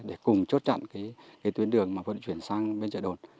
để cùng chốt chặn tuyến đường vận chuyển sang bên chợ đồn